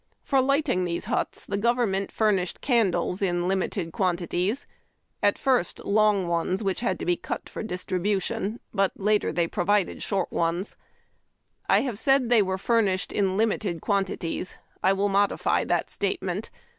For ligliting these huts the government furnished candles in limited quantities: at first long ones, which had to be cut for distribution ; but later they provided short ones. I have said that they were furnished in limited quantities. I will modify that statement.